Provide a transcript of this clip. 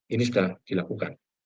ini sudah dilakukan